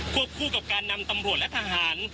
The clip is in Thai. คู่กับการนำตำรวจและทหาร